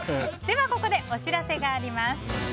ではここでお知らせがあります。